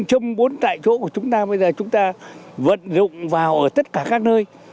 tại chỗ của chúng ta bây giờ chúng ta vận dụng vào ở tất cả các nơi